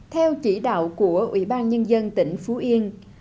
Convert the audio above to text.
theo chỉ đạo của ủy ban nhân dân tỉnh phú yên